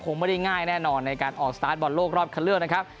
คงไม่ได้ง่ายแน่นอนในการออกสตาร์ทบอลโลกรอบคันเลือกนะครับ